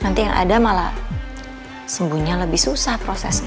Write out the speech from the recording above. nanti yang ada malah sembuhnya lebih susah prosesnya